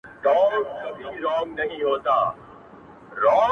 یا به ګوربت غوندي اسمان ته ختی -